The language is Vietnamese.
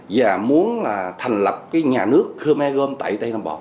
và muốn là thành lập cái nhà nước khmer tại tây nam bộ